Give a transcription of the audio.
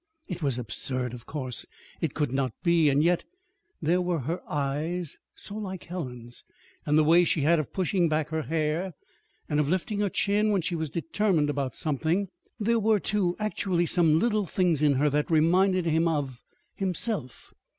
It was absurd, of course. It could not be. And yet there were her eyes so like Helen's, and the way she had of pushing back her hair, and of lifting her chin when she was determined about something. There were, too, actually some little things in her that reminded him of himself.